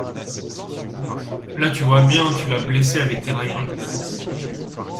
La ! tu vois bien, tu l'as blessé avec tes railleries.